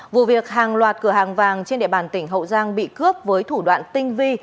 vụ việc hàng loạt cửa hàng vàng trên địa bàn tỉnh hậu giang bị cướp với thủ đoạn tinh vi